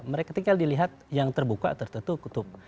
mereka tinggal dilihat yang terbuka tertutup